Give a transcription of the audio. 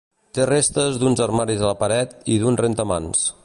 Té restes d'uns armaris a la paret, i d'un rentamans.